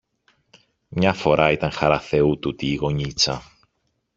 Μια φορά ήταν χαρά Θεού τούτη η γωνίτσα.